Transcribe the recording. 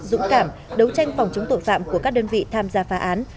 dũng cảm đấu tranh phòng chống tội phạm của các đơn vị tham gia phá án